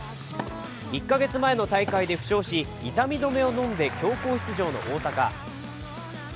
１カ月前の大会で負傷し、痛み止めを飲んで強行出場の大坂。